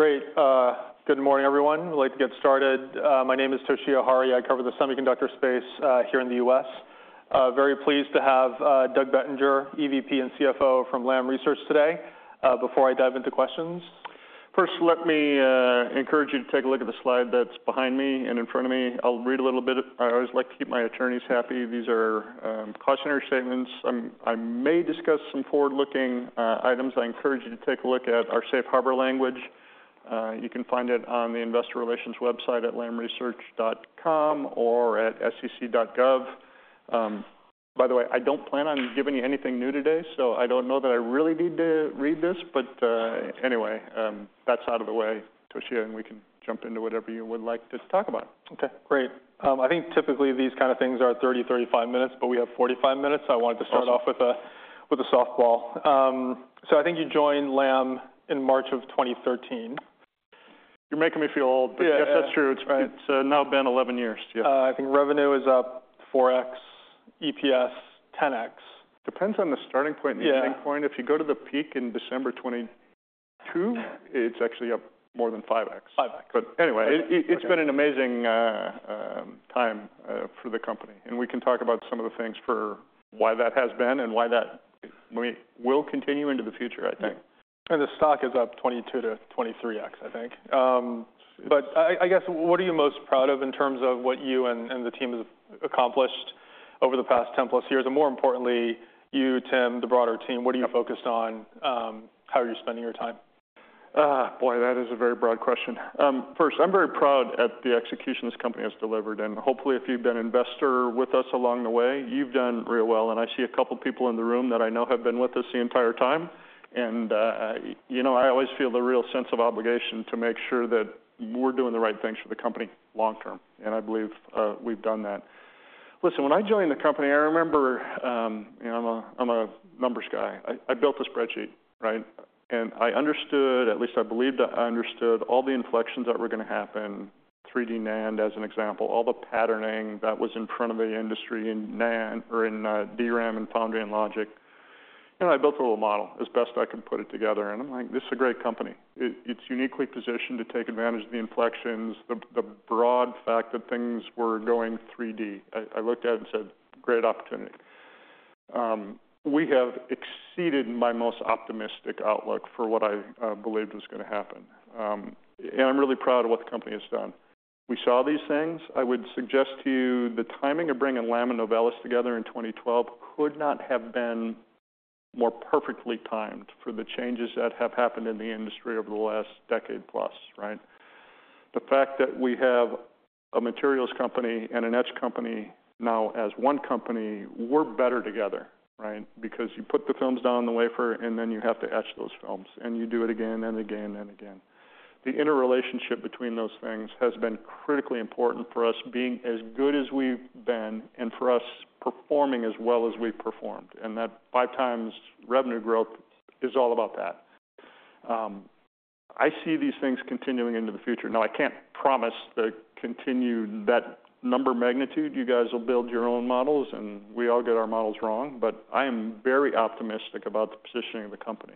Great. Good morning, everyone. I'd like to get started. My name is Toshiya Hari. I cover the semiconductor space, here in the U.S. Very pleased to have, Doug Bettinger, EVP and CFO from Lam Research today. Before I dive into questions. First, let me encourage you to take a look at the slide that's behind me and in front of me. I'll read a little bit. I always like to keep my attorneys happy. These are cautionary statements. I may discuss some forward-looking items. I encourage you to take a look at our safe harbor language. You can find it on the investor relations website at lamresearch.com or at sec.gov. By the way, I don't plan on giving you anything new today, so I don't know that I really need to read this, but anyway, that's out of the way, Toshiya, and we can jump into whatever you would like to talk about. Okay, great. I think typically, these kind of things are 30 minutes-35 minutes, but we have 45 minutes. Awesome. I wanted to start off with a softball. So I think you joined Lam in March of 2013. You're making me feel old. Yeah, yeah. But yes, that's true. Right. It's now been 11 years, yeah. I think revenue is up 4x, EPS, 10x. Depends on the starting point and the ending point. Yeah. If you go to the peak in December 2022, it's actually up more than 5x. Five X. But anyway— Okay. It's been an amazing time for the company, and we can talk about some of the things for why that has been and why that we will continue into the future, I think. The stock is up 22x-23x, I think. But I guess, what are you most proud of in terms of what you and the team has accomplished over the past 10+ years? And more importantly, you, Tim, the broader team, what are you focused on? How are you spending your time? Boy, that is a very broad question. First, I'm very proud at the execution this company has delivered, and hopefully, if you've been an investor with us along the way, you've done real well, and I see a couple of people in the room that I know have been with us the entire time. And you know, I always feel the real sense of obligation to make sure that we're doing the right things for the company long term, and I believe we've done that. Listen, when I joined the company, I remember, you know, I'm a numbers guy. I built a spreadsheet, right? I understood, at least I believed that I understood all the inflections that were going to happen, 3D NAND, as an example, all the patterning that was in front of the industry in NAND or in DRAM and foundry and logic. I built a little model as best I could put it together, and I'm like: This is a great company. It's uniquely positioned to take advantage of the inflections, the broad fact that things were going 3D. I looked at it and said, "Great opportunity." We have exceeded my most optimistic outlook for what I believed was going to happen. And I'm really proud of what the company has done. We saw these things. I would suggest to you the timing of bringing Lam and Novellus together in 2012 could not have been more perfectly timed for the changes that have happened in the industry over the last decade plus, right? The fact that we have a materials company and an etch company now as one company, we're better together, right? Because you put the films down the wafer, and then you have to etch those films, and you do it again and again and again. The interrelationship between those things has been critically important for us being as good as we've been and for us performing as well as we've performed, and that five times revenue growth is all about that. I see these things continuing into the future. Now, I can't promise the continued—that number magnitude. You guys will build your own models, and we all get our models wrong, but I am very optimistic about the positioning of the company.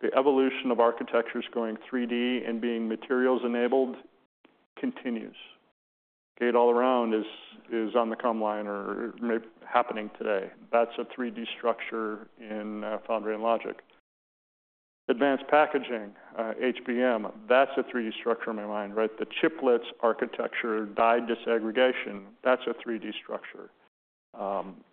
The evolution of architectures going 3D and being materials-enabled continues. Gate-All-Around is on the come line or maybe happening today. That's a 3D structure in Foundry and Logic. Advanced Packaging, HBM, that's a 3D structure in my mind, right? The Chiplets architecture, Die Disaggregation, that's a 3D structure.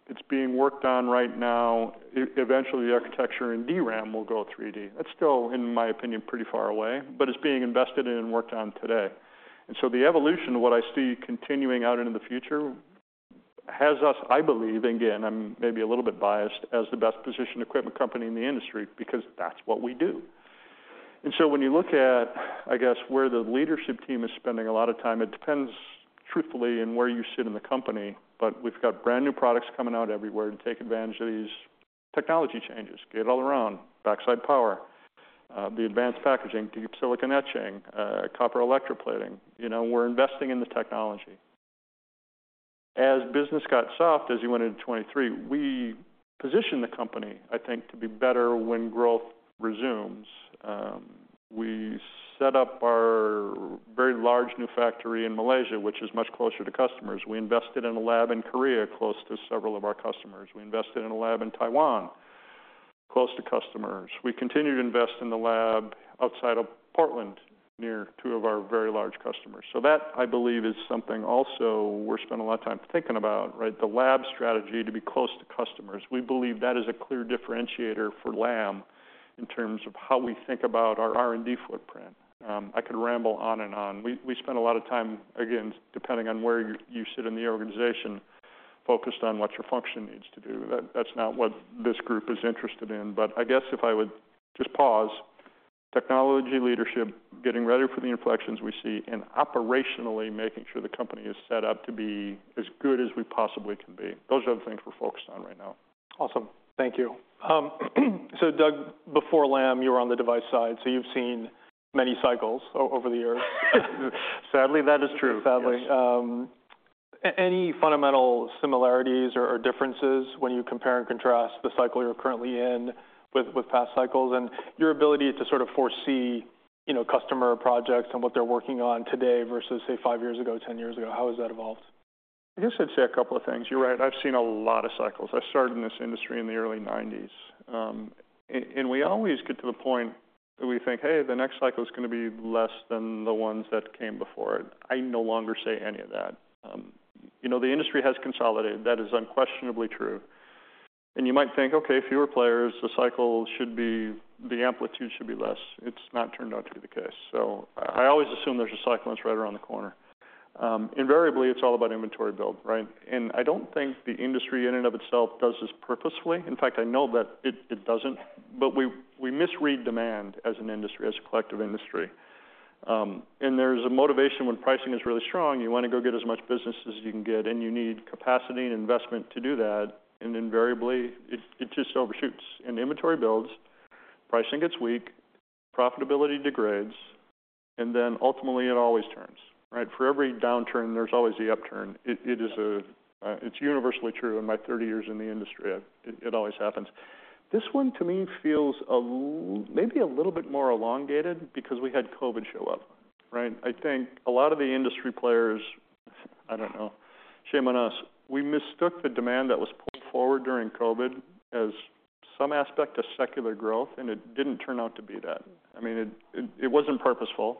It's being worked on right now. Eventually, the architecture in DRAM will go 3D. That's still, in my opinion, pretty far away, but it's being invested in and worked on today. And so the evolution of what I see continuing out into the future has us, I believe, again, I'm maybe a little bit biased, as the best-positioned equipment company in the industry because that's what we do. When you look at, I guess, where the leadership team is spending a lot of time, it depends, truthfully, on where you sit in the company, but we've got brand-new products coming out everywhere to take advantage of these technology changes, Gate-All-Around, Backside Power, the Advanced Packaging, Deep Silicon Etching, Copper Electroplating. You know, we're investing in the technology. As business got soft, as you went into 2023, we positioned the company, I think, to be better when growth resumes. We set up our very large new factory in Malaysia, which is much closer to customers. We invested in a lab in Korea, close to several of our customers. We invested in a lab in Taiwan, close to customers. We continued to invest in the lab outside of Portland, near two of our very large customers. So that, I believe, is something also we're spending a lot of time thinking about, right? The lab strategy to be close to customers. We believe that is a clear differentiator for Lam in terms of how we think about our R&D footprint. I could ramble on and on. We spend a lot of time, again, depending on where you sit in the organization, focused on what your function needs to do. That's not what this group is interested in. But I guess if I would just pause, technology leadership, getting ready for the inflections we see, and operationally making sure the company is set up to be as good as we possibly can be. Those are the things we're focused on right now. Awesome. Thank you. So, Doug, before Lam, you were on the device side, so you've seen many cycles over the years. Sadly, that is true. Sadly. Yes. Any fundamental similarities or differences when you compare and contrast the cycle you're currently in with past cycles, and your ability to sort of foresee, you know, customer projects and what they're working on today versus, say, five years ago, ten years ago? How has that evolved? I guess I'd say a couple of things. You're right, I've seen a lot of cycles. I started in this industry in the early 1990s, and we always get to the point where we think: Hey, the next cycle is gonna be less than the ones that came before it. I no longer say any of that. You know, the industry has consolidated, that is unquestionably true. And you might think, okay, fewer players, the cycle should be, the amplitude should be less. It's not turned out to be the case. So I always assume there's a cycle that's right around the corner. Invariably, it's all about inventory build, right? And I don't think the industry, in and of itself, does this purposefully. In fact, I know that it doesn't, but we misread demand as an industry, as a collective industry. And there's a motivation when pricing is really strong, you want to go get as much business as you can get, and you need capacity and investment to do that, and invariably, it just overshoots. And inventory builds, pricing gets weak, profitability degrades, and then ultimately, it always turns, right? For every downturn, there's always the upturn. It is a—it's universally true in my 30 years in the industry. It always happens. This one, to me, feels maybe a little bit more elongated because we had COVID show up, right? I think a lot of the industry players, I don't know, shame on us, we mistook the demand that was pulled forward during COVID as some aspect of secular growth, and it didn't turn out to be that. I mean, it wasn't purposeful.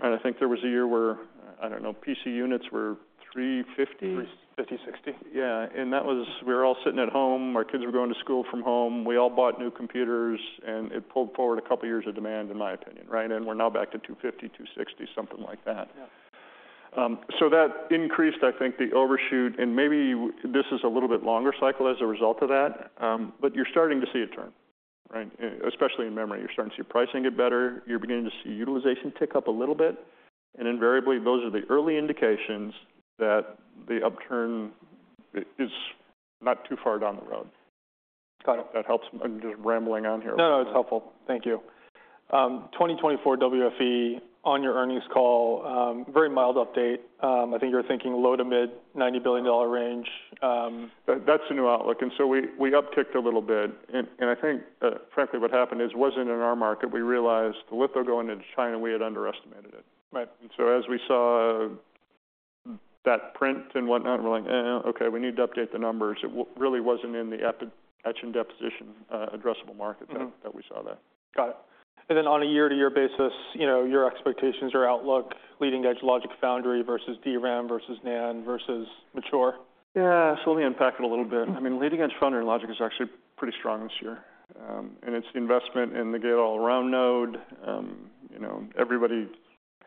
I think there was a year where, I don't know, PC units were 350— Fifty, 60. Yeah, and that was. We were all sitting at home. Our kids were going to school from home. We all bought new computers, and it pulled forward a couple of years of demand, in my opinion, right? And we're now back to 250, 260, something like that. Yeah. So that increased, I think, the overshoot, and maybe this is a little bit longer cycle as a result of that. But you're starting to see it turn, right? Especially in memory, you're starting to see pricing get better. You're beginning to see utilization tick up a little bit, and invariably, those are the early indications that the upturn is not too far down the road. Got it. If that helps. I'm just rambling on here. No, no, it's helpful. Thank you. Twenty twenty-four WFE, on your earnings call, very mild update. I think you're thinking low- to mid-$90 billion range. That's the new outlook, and so we upticked a little bit. And I think, frankly, what happened is, it wasn't in our market. We realized the litho going into China. We had underestimated it. Right. And so as we saw, that print and whatnot, we're like, "Eh, okay, we need to update the numbers." It really wasn't in the etch and deposition addressable market. Mm-hmm. That we saw that. Got it. Then on a year-to-year basis, you know, your expectations or outlook, leading-edge logic foundry versus DRAM, versus NAND, versus mature? Yeah, so let me unpack it a little bit. Mm-hmm. I mean, leading-edge foundry and logic is actually pretty strong this year, and it's the investment in the Gate-All-Around node. You know, everybody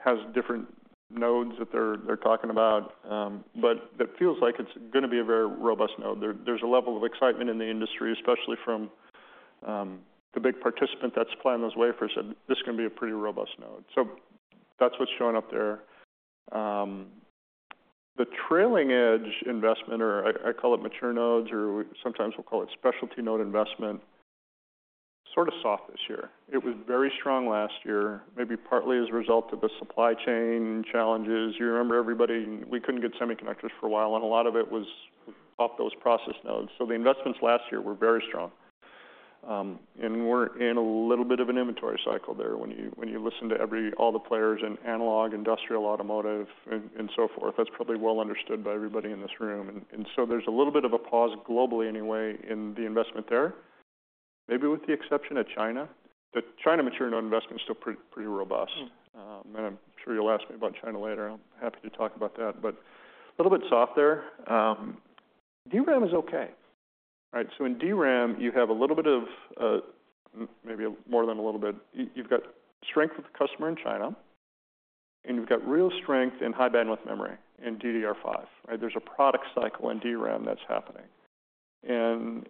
has different nodes that they're talking about, but it feels like it's gonna be a very robust node. There's a level of excitement in the industry, especially from the big participant that's playing those wafers, and this is gonna be a pretty robust node. So that's what's showing up there. The trailing edge investment, or I call it mature nodes, or sometimes we'll call it specialty node investment, sort of soft this year. It was very strong last year, maybe partly as a result of the supply chain challenges. You remember, everybody, we couldn't get semiconductors for a while, and a lot of it was off those process nodes. So the investments last year were very strong. And we're in a little bit of an inventory cycle there. When you listen to all the players in analog, industrial, automotive, and so forth, that's probably well understood by everybody in this room. And so there's a little bit of a pause globally, anyway, in the investment there. Maybe with the exception of China, but China mature node investment is still pretty, pretty robust. Mm-hmm. And I'm sure you'll ask me about China later. I'm happy to talk about that, but a little bit softer. DRAM is okay, right? So in DRAM, you have a little bit of, maybe more than a little bit. You've got strength with the customer in China, and you've got real strength in high-bandwidth memory, in DDR5. Right? There's a product cycle in DRAM that's happening, and,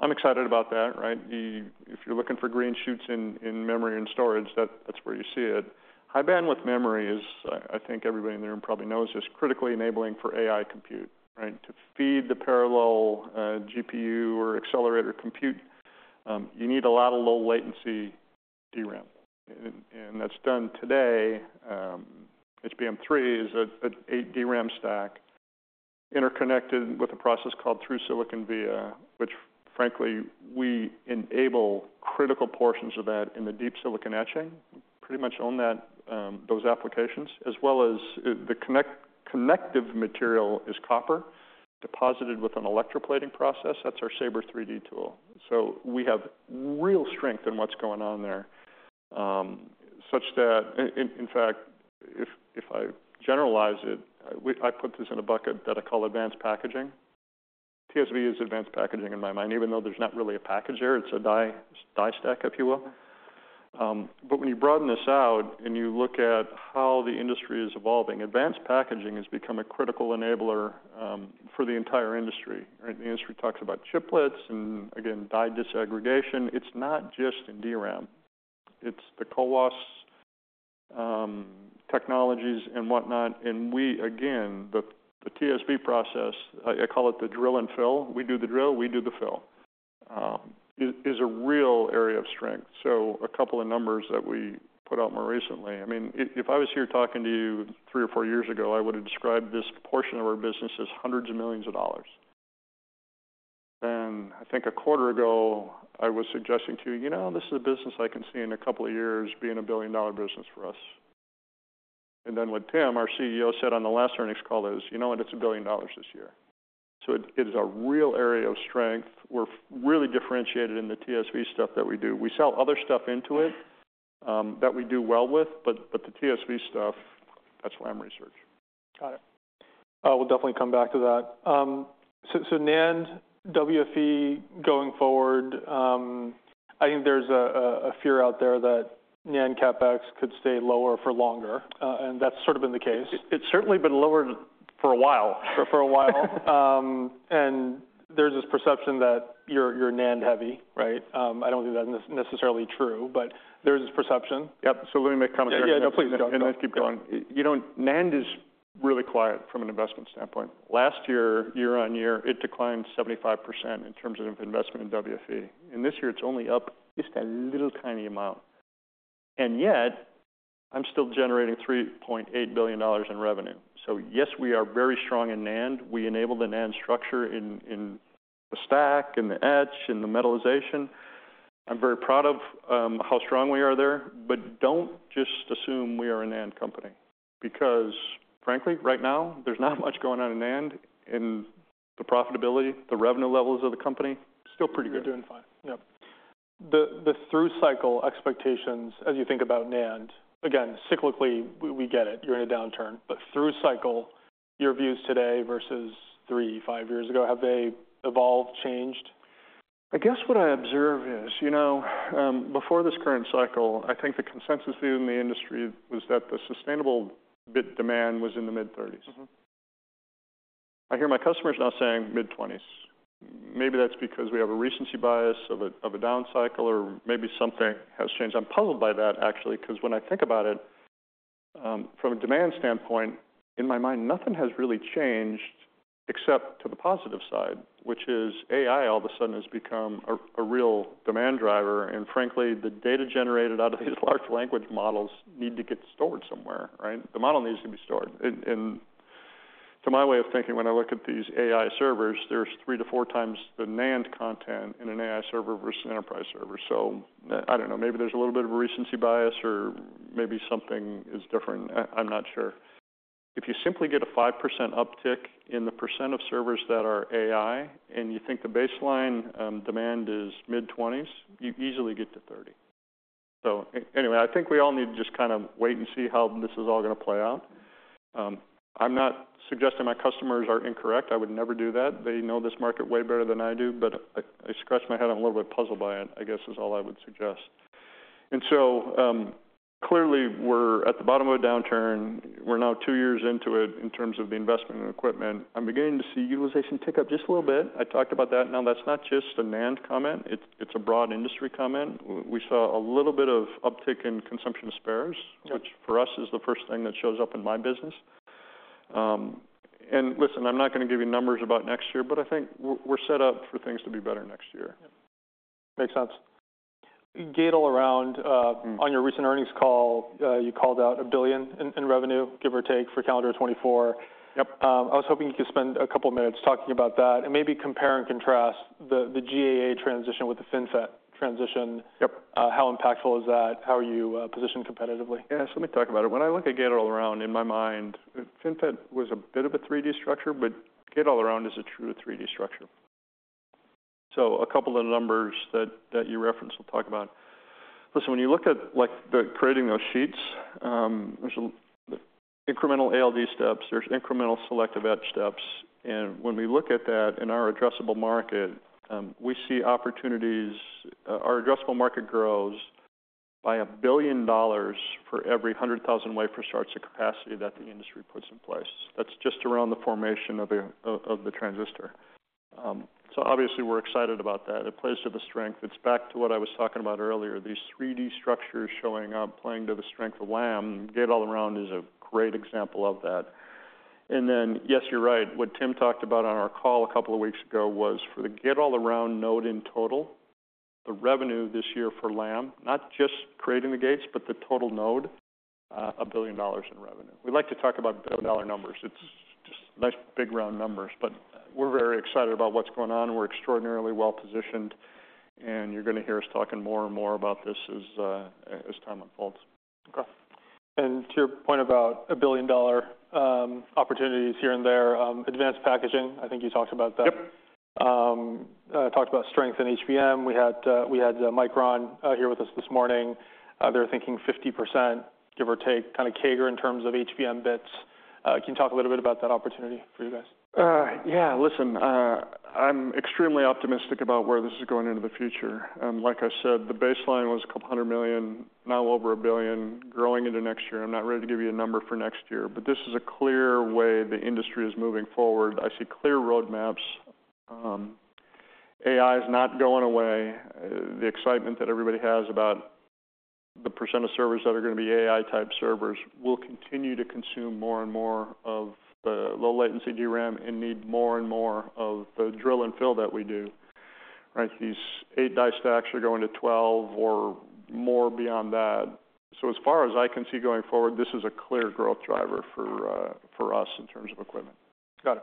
I'm excited about that, right? If you're looking for green shoots in memory and storage, that's where you see it. High-bandwidth memory is, I think everybody in the room probably knows, is critically enabling for AI compute, right? To feed the parallel, GPU or accelerator compute, you need a lot of low-latency DRAM. And that's done today. HBM3 is a 8-DRAM stack interconnected with a process called through-silicon via, which frankly, we enable critical portions of that in the deep silicon etching. Pretty much own that, those applications, as well as the connective material is copper, deposited with an electroplating process. That's our SABRE 3D tool. So we have real strength in what's going on there, such that—in fact, I generalize it, I put this in a bucket that I call advanced packaging. TSV is advanced packaging in my mind, even though there's not really a package there. It's a die stack, if you will. But when you broaden this out and you look at how the industry is evolving, advanced packaging has become a critical enabler, for the entire industry, right? The industry talks about chiplets and again, die disaggregation. It's not just in DRAM. It's the CoWoS technologies and whatnot, and we, again, the TSV process, I call it the drill and fill. We do the drill, we do the fill is a real area of strength. So a couple of numbers that we put out more recently. I mean, if I was here talking to you three or four years ago, I would have described this portion of our business as hundreds of millions of dollars. And I think a quarter ago, I was suggesting to you, "You know, this is a business I can see in a couple of years being a billion-dollar business for us." And then what Tim, our CEO, said on the last earnings call is: "You know what? It's $1 billion this year." So it is a real area of strength. We're really differentiated in the TSV stuff that we do. We sell other stuff into it, that we do well with, but the TSV stuff, that's Lam Research. Got it. We'll definitely come back to that. So NAND WFE going forward, I think there's a fear out there that NAND CapEx could stay lower for longer, and that's sort of been the case. It's certainly been lower for a while. For a while. There's this perception that you're NAND-heavy, right? I don't think that's necessarily true, but there is this perception. Yep. So let me make a comment— Yeah, no, please. Then keep going. You know, NAND is really quiet from an investment standpoint. Last year, year-on-year, it declined 75% in terms of investment in WFE. This year, it's only up just a little tiny amount. Yet, I'm still generating $3.8 billion in revenue. So yes, we are very strong in NAND. We enable the NAND structure in the stack, in the etch, in the metallization. I'm very proud of how strong we are there, but don't just assume we are a NAND company, because frankly, right now, there's not much going on in NAND, in the profitability, the revenue levels of the company, still pretty good. You're doing fine. Yep. The through-cycle expectations as you think about NAND, again, cyclically, we get it, you're in a downturn, but through cycle, your views today versus three, five years ago, have they evolved, changed? I guess what I observe is, you know, before this current cycle, I think the consensus view in the industry was that the sustainable bit demand was in the mid-thirties. Mm-hmm. I hear my customers now saying mid-20s. Maybe that's because we have a recency bias of a down cycle, or maybe something has changed. I'm puzzled by that, actually, 'cause when I think about it, from a demand standpoint, in my mind, nothing has really changed except to the positive side, which is AI all of a sudden has become a real demand driver. And frankly, the data generated out of these large language models need to get stored somewhere, right? The model needs to be stored. And to my way of thinking, when I look at these AI servers, there's 3x-4xthe NAND content in an AI server versus an enterprise server. So I don't know, maybe there's a little bit of a recency bias or maybe something is different. I'm not sure. If you simply get a 5% uptick in the percent of servers that are AI, and you think the baseline, demand is mid-20s, you easily get to 30. So anyway, I think we all need to just kind of wait and see how this is all gonna play out. I'm not suggesting my customers are incorrect. I would never do that. They know this market way better than I do, but I scratch my head. I'm a little bit puzzled by it, I guess, is all I would suggest. And so clearly, we're at the bottom of a downturn. We're now 2 years into it in terms of the investment in equipment. I'm beginning to see utilization tick up just a little bit. I talked about that. Now, that's not just a NAND comment. It's a broad industry comment. We saw a little bit of uptick in consumption of spares— Yep. Which for us, is the first thing that shows up in my business. And listen, I'm not gonna give you numbers about next year, but I think we're, we're set up for things to be better next year. Makes sense. Gate-All-Around, on your recent earnings call, you called out $1 billion in revenue, give or take, for calendar 2024. Yep. I was hoping you could spend a couple minutes talking about that and maybe compare and contrast the GAA transition with the FinFET transition. Yep. How impactful is that? How are you positioned competitively? Yes, let me talk about it. When I look at Gate-All-Around, in my mind, FinFET was a bit of a 3D structure, but Gate-All-Around is a true 3D structure. So a couple of numbers that you referenced, we'll talk about. Listen, when you look at, like, the creating those sheets, there's a incremental ALD steps, there's incremental selective etch steps, and when we look at that in our addressable market, we see opportunities. Our addressable market grows by $1 billion for every 100,000 wafer starts of capacity that the industry puts in place. That's just around the formation of the transistor. So obviously, we're excited about that. It plays to the strength. It's back to what I was talking about earlier, these 3D structures showing up, playing to the strength of Lam. Gate-All-Around is a great example of that. And then, yes, you're right, what Tim talked about on our call a couple of weeks ago was for the Gate-All-Around node in total, the revenue this year for Lam, not just creating the gates, but the total node, $1 billion in revenue. We like to talk about billion-dollar numbers. It's just nice, big, round numbers. But we're very excited about what's going on. We're extraordinarily well positioned, and you're gonna hear us talking more and more about this as as time unfolds. Okay. To your point about a billion-dollar opportunities here and there, advanced packaging, I think you talked about that. Yep. Talked about strength in HBM. We had Micron here with us this morning. They're thinking 50%, give or take, kind of CAGR in terms of HBM bits. Can you talk a little bit about that opportunity for you guys? Yeah, listen, I'm extremely optimistic about where this is going into the future. Like I said, the baseline was $200 million, now over $1 billion, growing into next year. I'm not ready to give you a number for next year, but this is a clear way the industry is moving forward. I see clear roadmaps. AI is not going away. The excitement that everybody has about the percent of servers that are going to be AI-type servers will continue to consume more and more of the low-latency DRAM and need more and more of the drill and fill that we do, right? These 8-die stacks are going to 12 or more beyond that. So as far as I can see going forward, this is a clear growth driver for us in terms of equipment. Got it.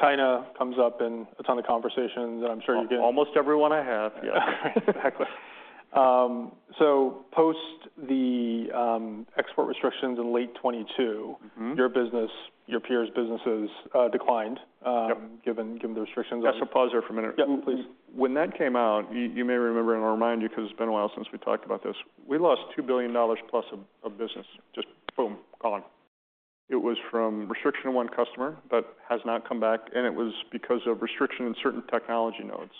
China comes up in a ton of conversations, and I'm sure you get— Almost every one I have. Yeah, exactly. So post the export restrictions in late 2022— Mm-hmm. Your business, your peers' businesses, declined— Yep. Given the restrictions. I should pause there for a minute. Yep, please. When that came out, you may remember, and I'll remind you, because it's been a while since we talked about this, we lost $2+ billion of business. Just boom, gone. It was from restriction of one customer that has not come back, and it was because of restriction in certain technology nodes.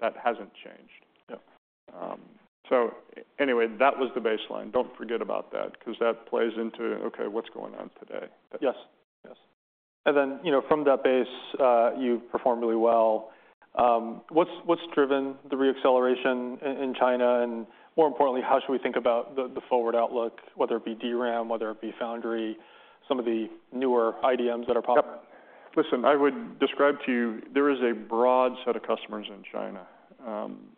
That hasn't changed. Yep. So anyway, that was the baseline. Don't forget about that, because that plays into, okay, what's going on today? Yes. Yes. And then, you know, from that base, you've performed really well. What's driven the reacceleration in China, and more importantly, how should we think about the forward outlook, whether it be DRAM, whether it be Foundry, some of the newer IDMs that are popping up? Yep. Listen, I would describe to you, there is a broad set of customers in China,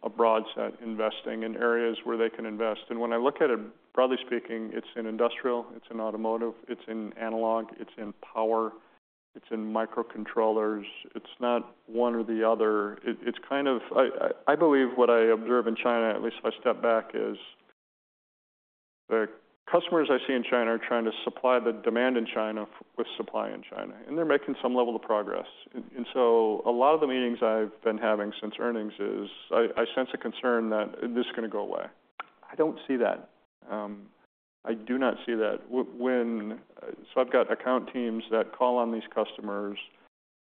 a broad set investing in areas where they can invest. And when I look at it, broadly speaking, it's in industrial, it's in automotive, it's in analog, it's in power, it's in microcontrollers. It's not one or the other. I believe what I observe in China, at least if I step back, is the customers I see in China are trying to supply the demand in China with supply in China, and they're making some level of progress. And so a lot of the meetings I've been having since earnings is I sense a concern that this is gonna go away. I don't see that. I do not see that. So I've got account teams that call on these customers.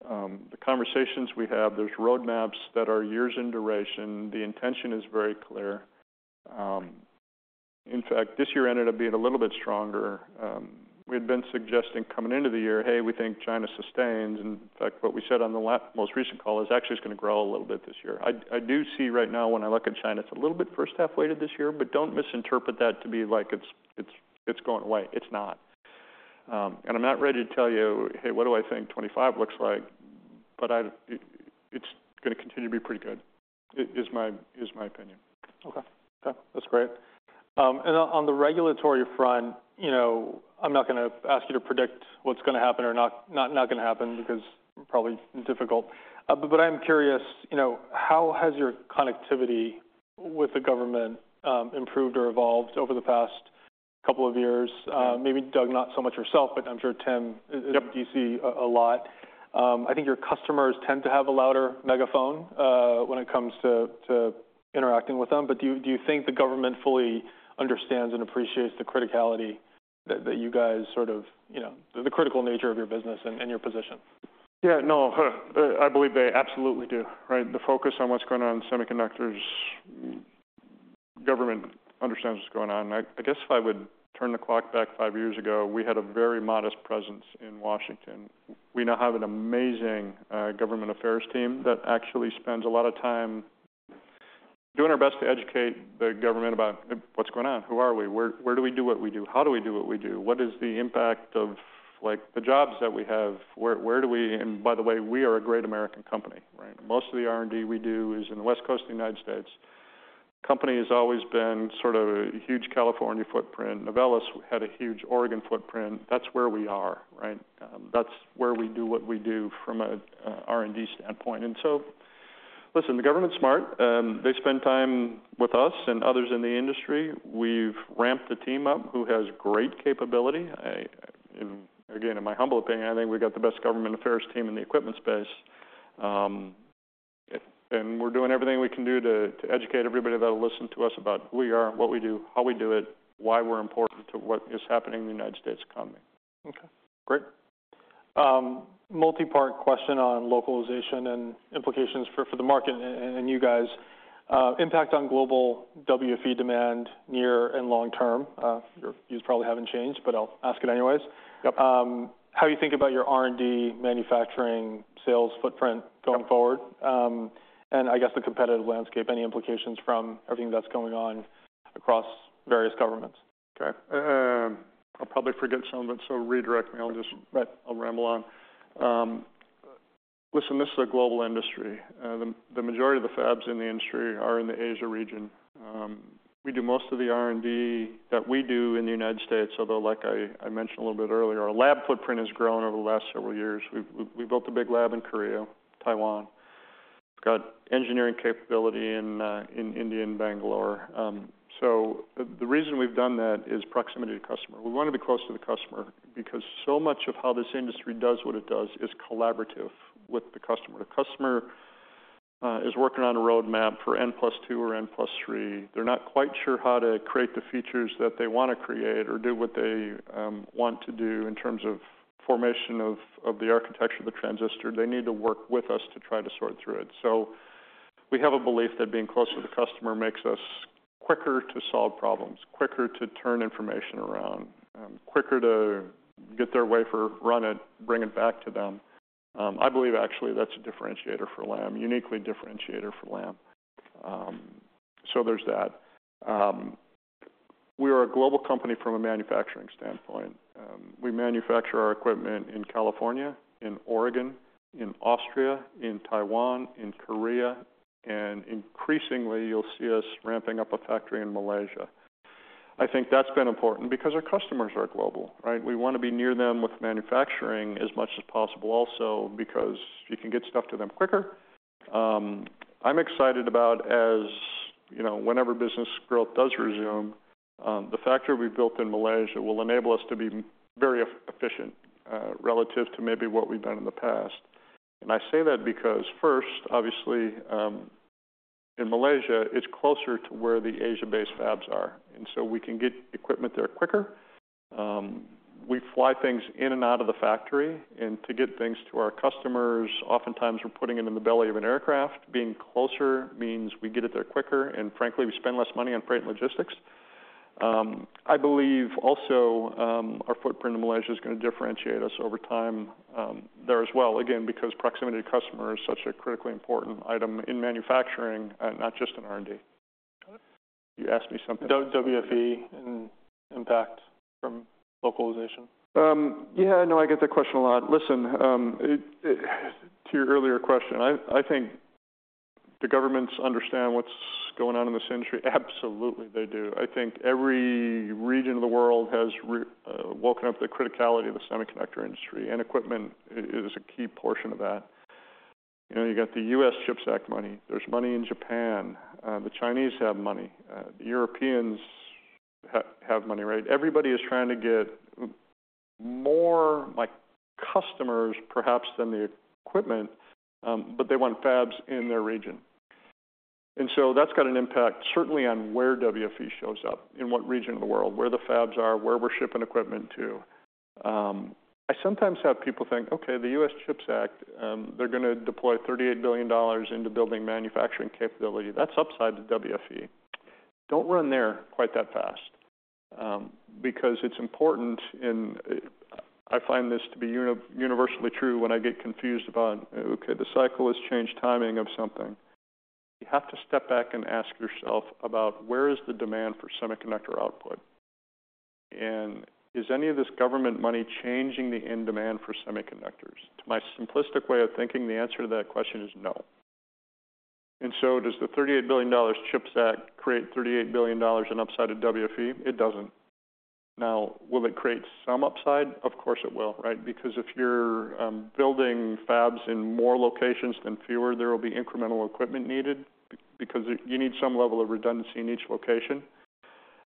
The conversations we have, there's roadmaps that are years in duration. The intention is very clear. In fact, this year ended up being a little bit stronger. We had been suggesting coming into the year, "Hey, we think China sustains," and in fact, what we said on the last most recent call is, actually, it's gonna grow a little bit this year. I do see right now, when I look at China, it's a little bit first half-weighted this year, but don't misinterpret that to be like, it's going away. It's not. And I'm not ready to tell you, "Hey, what do I think 2025 looks like?" But I—it's gonna continue to be pretty good, is my opinion. Okay. Okay, that's great. And on the regulatory front, you know, I'm not gonna ask you to predict what's gonna happen or not gonna happen, because probably difficult. But I'm curious, you know, how has your connectivity with the government improved or evolved over the past couple of years? Yeah. Maybe, Doug, not so much yourself, but I'm sure, Tim— Yep. You see a lot. I think your customers tend to have a louder megaphone, when it comes to interacting with them. But do you think the government fully understands and appreciates the criticality that you guys sort of, you know, the critical nature of your business and your position? Yeah. No, I believe they absolutely do, right? The focus on what's going on in semiconductors, government understands what's going on. I, I guess if I would turn the clock back five years ago, we had a very modest presence in Washington. We now have an amazing government affairs team that actually spends a lot of time doing our best to educate the government about what's going on, who are we, where, where do we do what we do, how do we do what we do, what is the impact of, like, the jobs that we have, where, where do we—and by the way, we are a great American company, right? Most of the R&D we do is in the West Coast of the United States. Company has always been sort of a huge California footprint. Novellus had a huge Oregon footprint. That's where we are, right? That's where we do what we do from a R&D standpoint. And so, listen, the government's smart. They spend time with us and others in the industry. We've ramped the team up, who has great capability. And again, in my humble opinion, I think we've got the best government affairs team in the equipment space. And we're doing everything we can do to educate everybody that'll listen to us about who we are, what we do, how we do it, why we're important to what is happening in the United States economy. Okay, great. Multi-part question on localization and implications for the market and you guys. Impact on global WFE demand, near and long term. Your views probably haven't changed, but I'll ask it anyways. Yep. How you think about your R&D, manufacturing, sales footprint going forward? And I guess the competitive landscape, any implications from everything that's going on across various governments? Okay. I'll probably forget some, but so redirect me. I'll just— Right I'll ramble on. Listen, this is a global industry. The majority of the fabs in the industry are in the Asia region. We do most of the R&D that we do in the United States, although, like I mentioned a little bit earlier, our lab footprint has grown over the last several years. We've built a big lab in Korea, Taiwan. We've got engineering capability in India, and Bangalore. So the reason we've done that is proximity to customer. We want to be close to the customer because so much of how this industry does what it does is collaborative with the customer. The customer is working on a roadmap for N+2 or N+3. They're not quite sure how to create the features that they want to create or do what they want to do in terms of formation of the architecture of the transistor. They need to work with us to try to sort through it. So we have a belief that being close to the customer makes us quicker to solve problems, quicker to turn information around, quicker to get their wafer, run it, bring it back to them. I believe actually that's a differentiator for Lam, uniquely differentiator for Lam. So there's that. We are a global company from a manufacturing standpoint. We manufacture our equipment in California, in Oregon, in Austria, in Taiwan, in Korea, and increasingly, you'll see us ramping up a factory in Malaysia. I think that's been important because our customers are global, right? We wanna be near them with manufacturing as much as possible also because you can get stuff to them quicker. I'm excited about, as you know, whenever business growth does resume, the factory we built in Malaysia will enable us to be very efficient, relative to maybe what we've done in the past. And I say that because first, obviously, in Malaysia, it's closer to where the Asia-based fabs are, and so we can get equipment there quicker. We fly things in and out of the factory, and to get things to our customers, oftentimes we're putting it in the belly of an aircraft. Being closer means we get it there quicker, and frankly, we spend less money on freight and logistics. I believe also, our footprint in Malaysia is gonna differentiate us over time, there as well, again, because proximity to customer is such a critically important item in manufacturing, not just in R&D. You asked me something? WFE and impact from localization. Yeah, no, I get that question a lot. Listen, to your earlier question, I think the governments understand what's going on in this industry. Absolutely, they do. I think every region of the world has woken up to the criticality of the semiconductor industry, and equipment is a key portion of that. You know, you got the U.S. CHIPS Act money. There's money in Japan. The Chinese have money. The Europeans have money, right? Everybody is trying to get more, like, customers, perhaps, than the equipment, but they want fabs in their region. And so that's got an impact, certainly on where WFE shows up, in what region of the world, where the fabs are, where we're shipping equipment to. I sometimes have people think, Okay, the U.S. CHIPS Act, they're gonna deploy $38 billion into building manufacturing capability. That's upside to WFE. Don't run there quite that fast, because it's important, and, I find this to be universally true when I get confused about, Okay, the cycle has changed timing of something. You have to step back and ask yourself about, where is the demand for semiconductor output? And is any of this government money changing the end demand for semiconductors? To my simplistic way of thinking, the answer to that question is no. And so does the $38 billion CHIPS Act create $38 billion in upside to WFE? It doesn't. Now, will it create some upside? Of course, it will, right? Because if you're building fabs in more locations than fewer, there will be incremental equipment needed, because you need some level of redundancy in each location.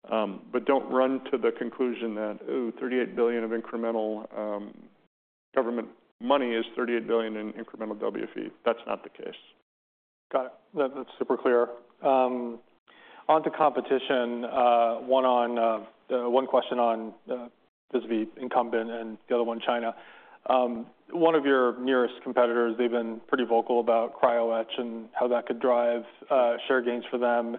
But don't run to the conclusion that, oh, $38 billion of incremental government money is $38 billion in incremental WFE. That's not the case. Got it. That's super clear. On to competition, one question on these incumbents and the other one, China. One of your nearest competitors, they've been pretty vocal about cryo etch and how that could drive share gains for them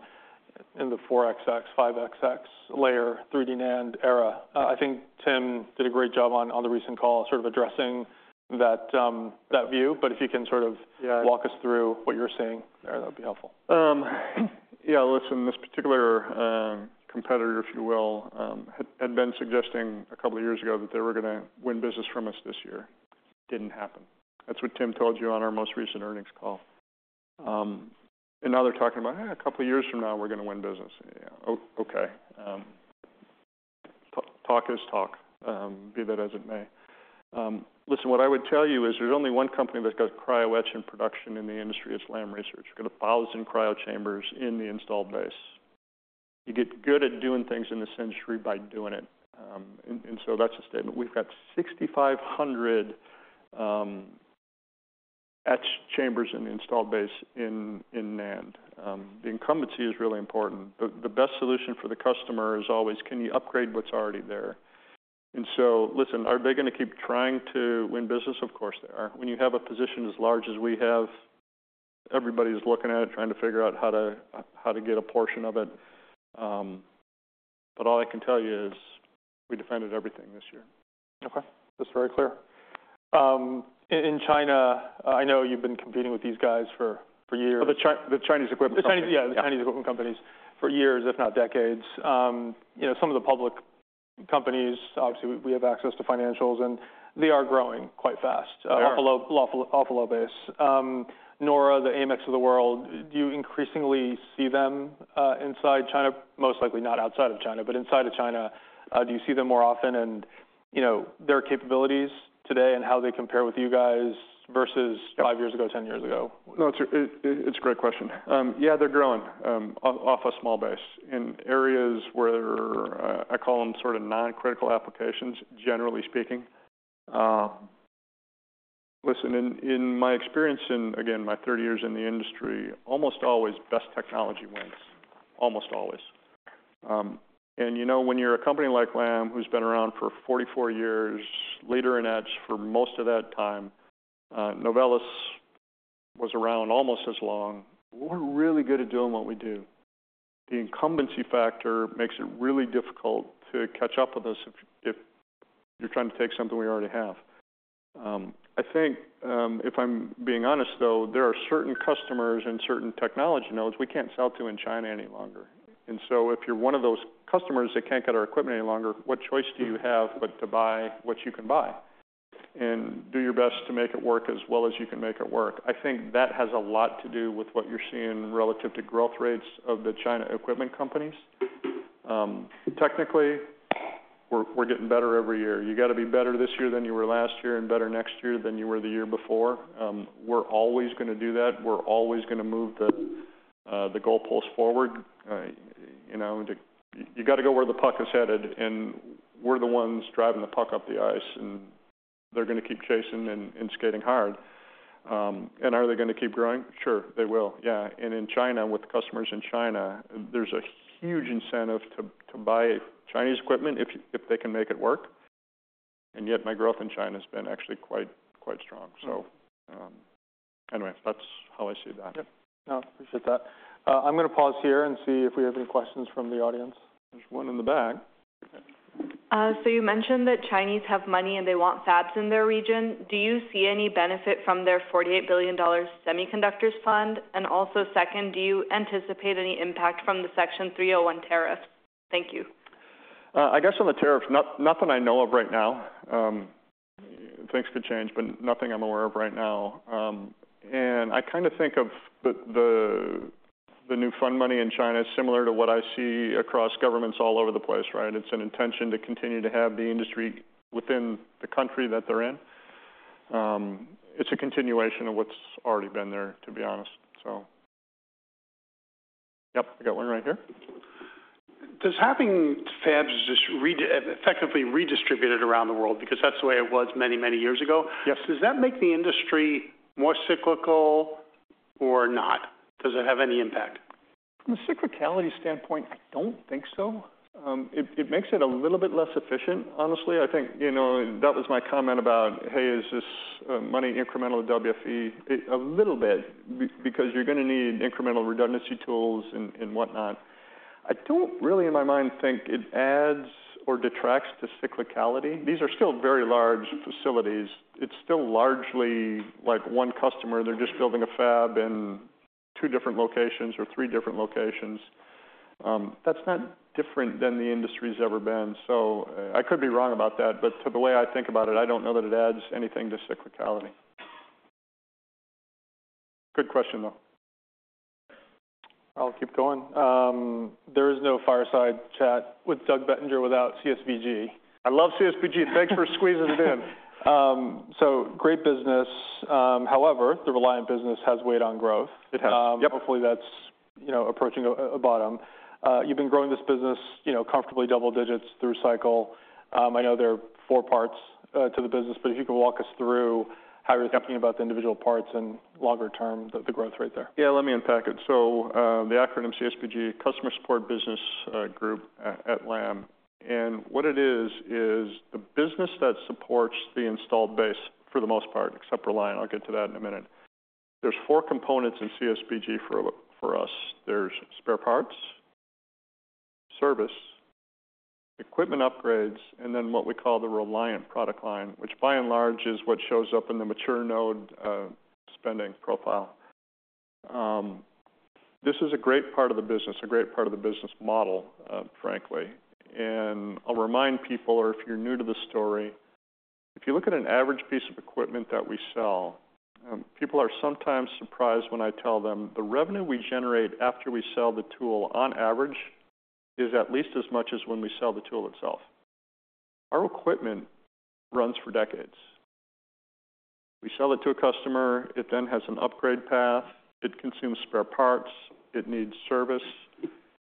in the 4XX, 5XX layer, 3D NAND era. I think Tim did a great job on the recent call, sort of addressing that view, but if you can sort of, yeah, walk us through what you're seeing there, that'd be helpful. Yeah, listen, this particular competitor, if you will, had been suggesting a couple of years ago that they were gonna win business from us this year. Didn't happen. That's what Tim told you on our most recent earnings call. And now they're talking about, "Eh, a couple of years from now, we're gonna win business." Yeah. Okay. Talk is talk, be that as it may. Listen, what I would tell you is there's only one company that's got cryo etch in production in the industry, is Lam Research. We've got 1,000 cryo chambers in the installed base. You get good at doing things in this industry by doing it, and so that's a statement. We've got 6,500 etch chambers in the installed base in NAND. The incumbency is really important. The best solution for the customer is always: Can you upgrade what's already there? And so listen, are they gonna keep trying to win business? Of course, they are. When you have a position as large as we have, everybody's looking at it, trying to figure out how to get a portion of it. But all I can tell you is we defended everything this year. Okay. That's very clear. In China, I know you've been competing with these guys for years. The Chinese equipment companies. The Chinese, yeah, the Chinese equipment companies, for years, if not decades. You know, some of the public companies, obviously, we, we have access to financials, and they are growing quite fast. They are off a low base. Naura, the AMEC of the world, do you increasingly see them inside China? Most likely not outside of China, but inside of China, do you see them more often and, you know, their capabilities today and how they compare with you guys versus five years ago, 10 years ago? No, it's a great question. Yeah, they're growing off a small base in areas where I call them sort of non-critical applications, generally speaking. Listen, in my experience, in, again, my 30 years in the industry, almost always, best technology wins. Almost always. And you know, when you're a company like Lam, who's been around for 44 years, leader in etch for most of that time, Novellus was around almost as long. We're really good at doing what we do. The incumbency factor makes it really difficult to catch up with us if you're trying to take something we already have. I think, if I'm being honest, though, there are certain customers and certain technology nodes we can't sell to in China any longer. And so if you're one of those customers that can't get our equipment any longer, what choice do you have but to buy what you can buy and do your best to make it work as well as you can make it work? I think that has a lot to do with what you're seeing relative to growth rates of the China equipment companies. Technically, we're getting better every year. You got to be better this year than you were last year, and better next year than you were the year before. We're always gonna do that. We're always gonna move the goalposts forward. You know, you got to go where the puck is headed, and we're the ones driving the puck up the ice, and they're gonna keep chasing and skating hard. And are they gonna keep growing? Sure, they will. Yeah. And in China, with customers in China, there's a huge incentive to buy Chinese equipment if they can make it work, and yet my growth in China has been actually quite, quite strong. So, anyway, that's how I see that. Yeah. No, I appreciate that. I'm gonna pause here and see if we have any questions from the audience. There's one in the back. So, you mentioned that Chinese have money, and they want fabs in their region. Do you see any benefit from their $48 billion semiconductors fund? And also, second, do you anticipate any impact from the Section 301 tariff? Thank you. I guess on the tariff, nothing I know of right now. Things could change, but nothing I'm aware of right now. And I kind of think of the new fund money in China, similar to what I see across governments all over the place, right? It's an intention to continue to have the industry within the country that they're in. It's a continuation of what's already been there, to be honest. Yep, I got one right here. Does having fabs just effectively redistributed around the world, because that's the way it was many, many years ago— Yes. Does that make the industry more cyclical or not? Does it have any impact? From a cyclicality standpoint, I don't think so. It makes it a little bit less efficient. Honestly, I think, you know, that was my comment about, "Hey, is this money incremental to WFE?" A little bit, because you're gonna need incremental redundancy tools and whatnot. I don't really, in my mind, think it adds or detracts to cyclicality. These are still very large facilities. It's still largely like one customer. They're just building a fab in two different locations or three different locations. That's not different than the industry's ever been, so I could be wrong about that, but to the way I think about it, I don't know that it adds anything to cyclicality. Good question, though. I'll keep going. There is no fireside chat with Doug Bettinger without CSBG. I love CSBG. Thanks for squeezing it in. So great business. However, the Reliant business has weighed on growth. It has, yep. Hopefully, that's, you know, approaching a bottom. You've been growing this business, you know, comfortably double digits through cycle. I know there are four parts to the business, but if you could walk us through how you're thinking about the individual parts and longer term, the growth rate there. Yeah, let me unpack it. So, the acronym CSBG, Customer Support Business Group at, at Lam, and what it is, is the business that supports the installed base for the most part, except Reliant. I'll get to that in a minute. There's four components in CSBG for, for us. There's spare parts, service, equipment upgrades, and then what we call the Reliant product line, which by and large, is what shows up in the mature node spending profile. This is a great part of the business, a great part of the business model, frankly, and I'll remind people, or if you're new to the story, if you look at an average piece of equipment that we sell, people are sometimes surprised when I tell them the revenue we generate after we sell the tool on average is at least as much as when we sell the tool itself. Our equipment runs for decades. We sell it to a customer, it then has an upgrade path, it consumes spare parts, it needs service.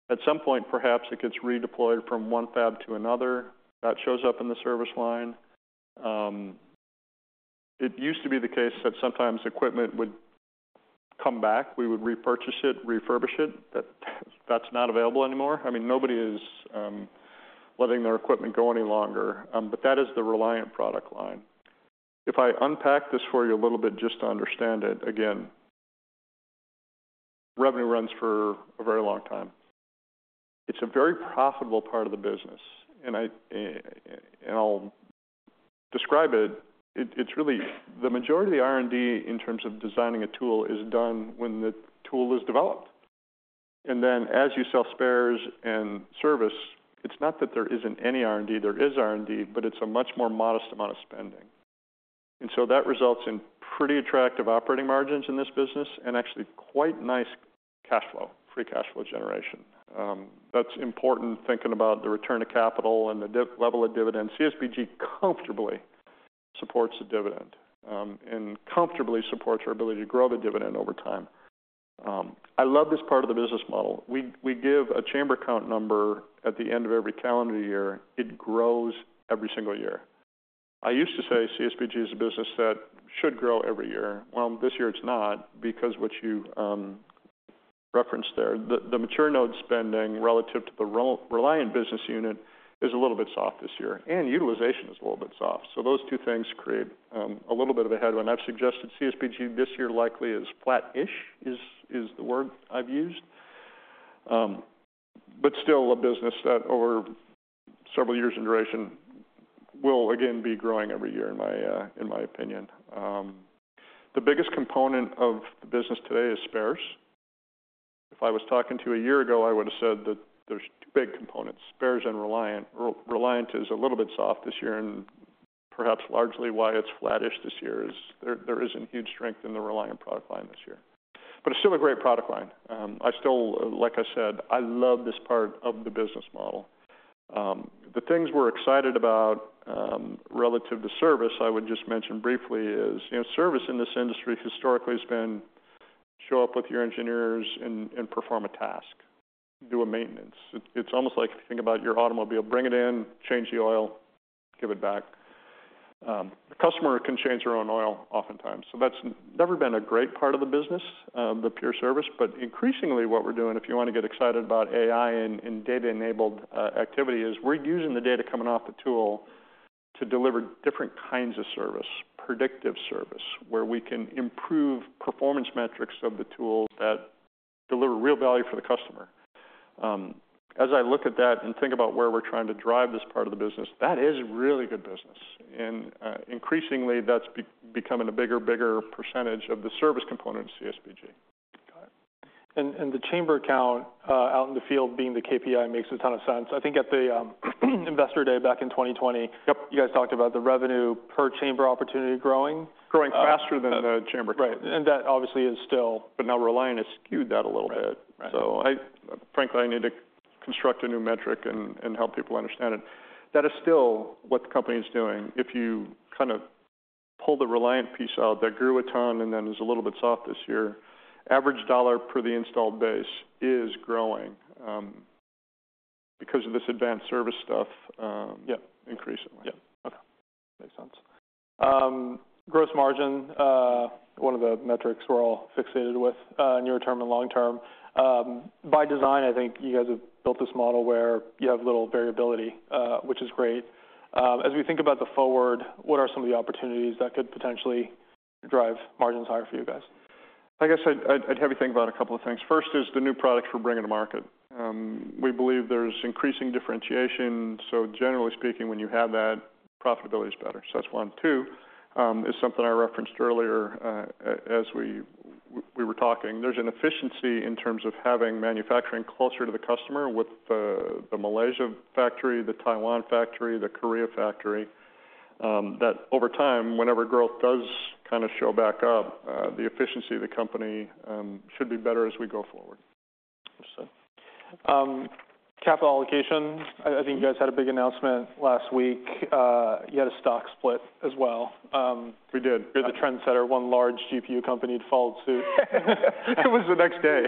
At some point, perhaps it gets redeployed from one fab to another. That shows up in the service line. It used to be the case that sometimes equipment would come back, we would repurchase it, refurbish it. That's not available anymore. I mean, nobody is letting their equipment go any longer, but that is the Reliant product line. If I unpack this for you a little bit, just to understand it, again, revenue runs for a very long time. It's a very profitable part of the business, and I'll describe it. It's really the majority of the R&D in terms of designing a tool is done when the tool is developed, and then as you sell spares and service, it's not that there isn't any R&D, there is R&D, but it's a much more modest amount of spending. And so that results in pretty attractive operating margins in this business and actually quite nice cash flow, free cash flow generation. That's important, thinking about the return of capital and the dividend level of dividends. CSBG comfortably supports the dividend, and comfortably supports our ability to grow the dividend over time. I love this part of the business model. We give a chamber count number at the end of every calendar year. It grows every single year. I used to say CSBG is a business that should grow every year. Well, this year it's not, because what you referenced there, the mature node spending relative to the Reliant business unit is a little bit soft this year, and utilization is a little bit soft. So those two things create a little bit of a headwind. I've suggested CSBG this year likely is flat-ish, is the word I've used. But still a business that over several years in duration will again be growing every year, in my opinion. The biggest component of the business today is spares. If I was talking to you a year ago, I would've said that there's two big components, spares and Reliant. Reliant is a little bit soft this year, and perhaps largely why it's flat-ish this year, is there isn't huge strength in the Reliant product line this year. But it's still a great product line. I still, like I said, I love this part of the business model. The things we're excited about, relative to service, I would just mention briefly, is, you know, service in this industry historically has been, show up with your engineers and perform a task, do a maintenance. It's almost like if you think about your automobile, bring it in, change the oil, give it back. The customer can change their own oil oftentimes, so that's never been a great part of the business, the pure service. But increasingly what we're doing, if you wanna get excited about AI and data-enabled activity, is we're using the data coming off the tool to deliver different kinds of service, predictive service, where we can improve performance metrics of the tool that deliver real value for the customer. As I look at that and think about where we're trying to drive this part of the business, that is really good business, and increasingly, that's becoming a bigger and bigger percentage of the service component of CSBG. Got it. And the chamber count out in the field, being the KPI makes a ton of sense. I think at the Investor Day back in 2020— Yep. You guys talked about the revenue per chamber opportunity growing. Growing faster than the chamber count. Right, and that obviously is still— But now Reliant has skewed that a little bit. Right. Right. So frankly, I need to construct a new metric and, and help people understand it. That is still what the company is doing. If you kind of pull the Reliant piece out, that grew a ton and then is a little bit soft this year, average dollar per the installed base is growing, because of this advanced service stuff. Yep. Increasingly. Yep. Okay, makes sense. Gross margin, one of the metrics we're all fixated with, near-term and long-term. By design, I think you guys have built this model where you have little variability, which is great. As we think about the forward, what are some of the opportunities that could potentially drive margins higher for you guys? I guess I'd have you think about a couple of things. First is the new products we're bringing to market. We believe there's increasing differentiation. So generally speaking, when you have that, profitability is better. So that's one. Two, is something I referenced earlier, as we were talking. There's an efficiency in terms of having manufacturing closer to the customer with the Malaysia factory, the Taiwan factory, the Korea factory, that over time, whenever growth does kind of show back up, the efficiency of the company should be better as we go forward. Understood. Capital allocation, I think you guys had a big announcement last week. You had a stock split as well. We did. You're the trendsetter. One large GPU company followed suit. It was the next day.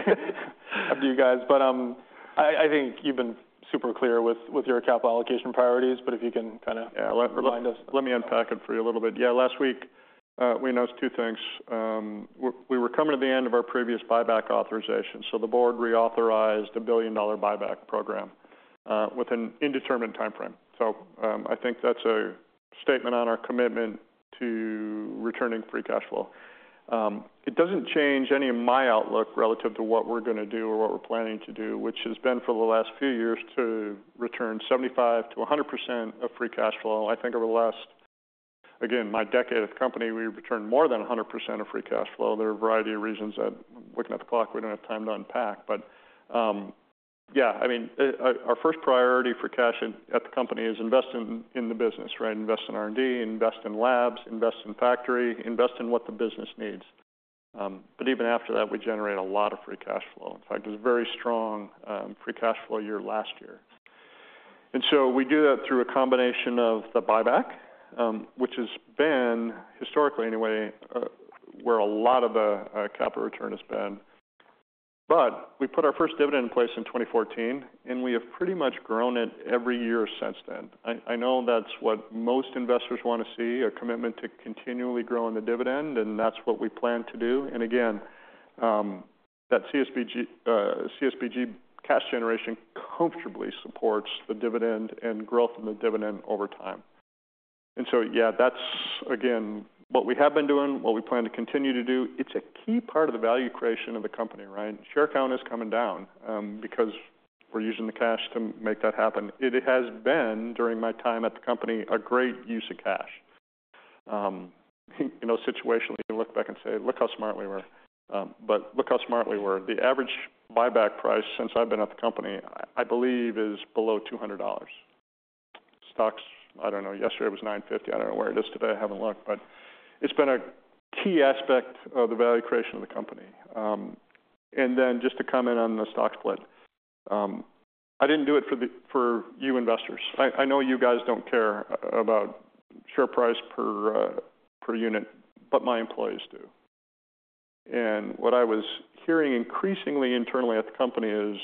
After you guys. But, I think you've been super clear with your capital allocation priorities, but if you can kinda— Yeah Remind us. Let me unpack it for you a little bit. Yeah, last week, we announced two things. We were coming to the end of our previous buyback authorization, so the board reauthorized a billion-dollar buyback program, with an indeterminate timeframe. So, I think that's a statement on our commitment to returning free cash flow. It doesn't change any of my outlook relative to what we're gonna do or what we're planning to do, which has been for the last few years, to return 75%-100% of free cash flow. I think over the last, again, my decade at the company, we returned more than 100% of free cash flow. There are a variety of reasons that, looking at the clock, we don't have time to unpack. But, yeah, I mean, our first priority for cash at the company is invest in the business, right? Invest in R&D, invest in labs, invest in factory, invest in what the business needs. But even after that, we generate a lot of free cash flow. In fact, it was a very strong free cash flow year last year. And so we do that through a combination of the buyback, which has been, historically anyway, where a lot of the capital return has been. But we put our first dividend in place in 2014, and we have pretty much grown it every year since then. I know that's what most investors wanna see, a commitment to continually growing the dividend, and that's what we plan to do. And again, that CSBG, CSBG cash generation comfortably supports the dividend and growth in the dividend over time. And so, yeah, that's again, what we have been doing, what we plan to continue to do. It's a key part of the value creation of the company, right? Share count is coming down, because we're using the cash to make that happen. It has been, during my time at the company, a great use of cash. You know, situationally, you look back and say, "Look how smart we were." But look how smart we were. The average buyback price since I've been at the company, I believe, is below $200. Stock's, I don't know, yesterday it was $950. I don't know where it is today. I haven't looked. But it's been a key aspect of the value creation of the company. And then just to comment on the stock split, I didn't do it for you investors. I know you guys don't care about share price per unit, but my employees do. And what I was hearing increasingly internally at the company is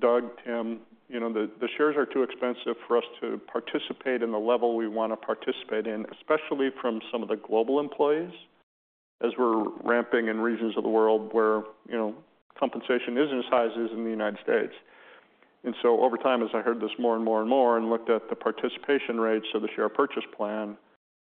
Doug, Tim, you know, the shares are too expensive for us to participate in the level we want to participate in, especially from some of the global employees, as we're ramping in regions of the world where, you know, compensation isn't as high as it is in the United States. And so over time, as I heard this more and more and more and looked at the participation rates of the share purchase plan,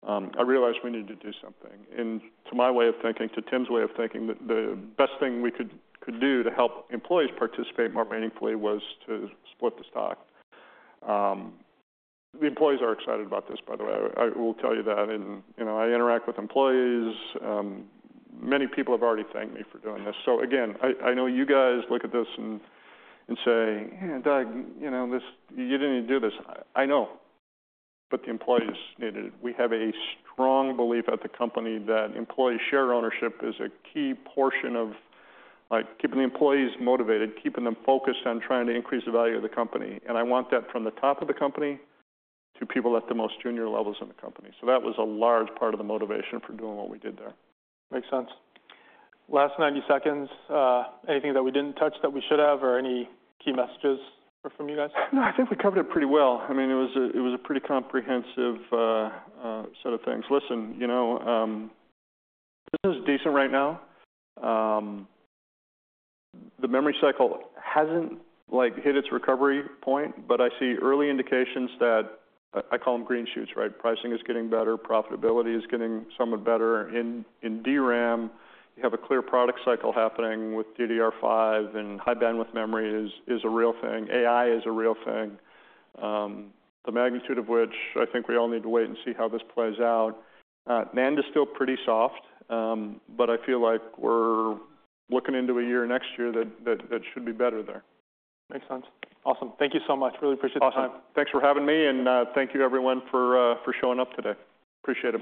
I realized we needed to do something. And to my way of thinking, to Tim's way of thinking, the best thing we could do to help employees participate more meaningfully was to split the stock. The employees are excited about this, by the way. I will tell you that. And, you know, I interact with employees. Many people have already thanked me for doing this. So again, I know you guys look at this and say, "Doug, you know, this, you didn't need to do this." I know, but the employees needed it. We have a strong belief at the company that employee share ownership is a key portion of, like, keeping the employees motivated, keeping them focused on trying to increase the value of the company, and I want that from the top of the company to people at the most junior levels in the company. So that was a large part of the motivation for doing what we did there. Makes sense. Last 90 seconds, anything that we didn't touch that we should have, or any key messages from you guys? No, I think we covered it pretty well. I mean, it was a, it was a pretty comprehensive set of things. Listen, you know, business is decent right now. The memory cycle hasn't, like, hit its recovery point, but I see early indications that I call them green shoots, right? Pricing is getting better, profitability is getting somewhat better. In DRAM, you have a clear product cycle happening with DDR5 and High Bandwidth Memory is a real thing. AI is a real thing, the magnitude of which I think we all need to wait and see how this plays out. NAND is still pretty soft, but I feel like we're looking into a year next year that should be better there. Makes sense. Awesome. Thank you so much. Really appreciate the time. Awesome. Thanks for having me, and thank you everyone, for for showing up today. Appreciate it.